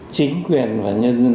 chính quyền và nhân dân